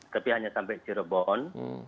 tapi hanya sampai cirebon